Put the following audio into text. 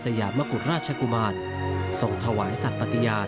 ยามมกุฎราชกุมารส่งถวายสัตว์ปฏิญาณ